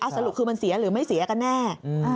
สรุปคือมันเสียหรือไม่เสียกันแน่